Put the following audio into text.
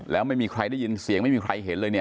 แล้วไม่มีใครได้ยินเสียงไม่มีใครเห็นเลยเนี่ย